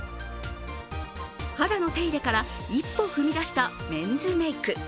肌の手入れから一歩踏み出したメンズメーク。